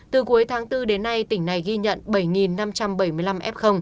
từ cuối tháng bốn đến nay tỉnh này ghi nhận bảy năm trăm bảy mươi năm f